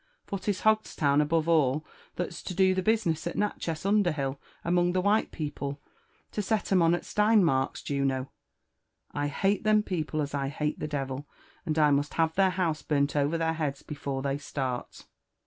For 'tis Hosstown above all that's to do the business at Natchez* under hiil among the while people, to set 'em on at Steinmark's. Juno, I hate them people as I hate the devil, and I must have their house burnt over their heads before they start."